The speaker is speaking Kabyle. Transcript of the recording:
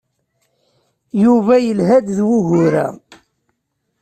Yuba yelha-d s wugur-a.